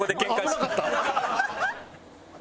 危なかった！